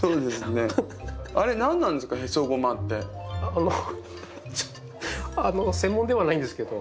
あのあの専門ではないんですけど。